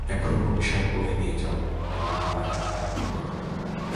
এখন অভিশাপ বয়ে নিয়ে যাও এবং আমার আজ্ঞা বহন করো।